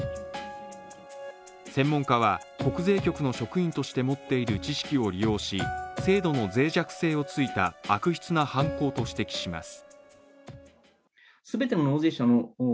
専門家は国税局の職員として持っている知識を利用し制度の脆弱性を突いた悪質な犯行と指摘します。